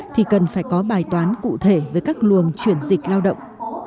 thì cần phải có bài toán cụ thể với các luồng chuyển dịch lao động